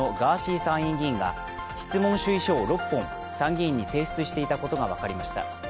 参院議員が質問主意書を６本参議院に提出していたことが分かりました。